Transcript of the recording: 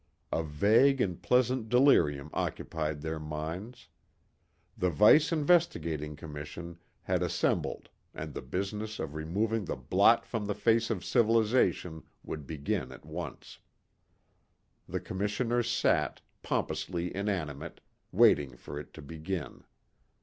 A vague and pleasant delirium occupied their minds. The Vice Investigating Commission had assembled and the business of removing the blot from the face of civilization would begin at once. The commissioners sat, pompously inanimate, waiting for it to begin.